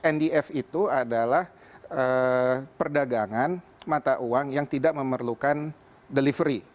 ndf itu adalah perdagangan mata uang yang tidak memerlukan delivery